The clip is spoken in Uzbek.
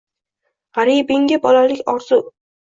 Gʼaribingga bolalik orzu.